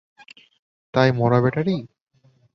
তাই মরা ব্যাটারি?